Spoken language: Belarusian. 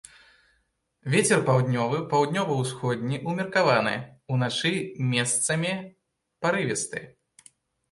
Вецер паўднёвы, паўднёва-ўсходні ўмеркаваны, уначы месцамі парывісты.